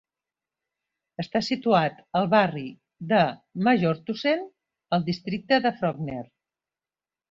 Està situat al barri de Majorstuen, al districte de Frogner.